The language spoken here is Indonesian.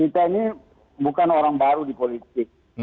saya bukan orang baru di politik